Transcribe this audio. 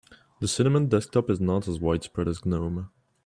The cinnamon desktop is not as widespread as gnome.